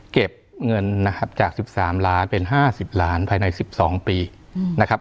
เก็บเงินนะครับจาก๑๓ล้านเป็น๕๐ล้านภายใน๑๒ปีนะครับ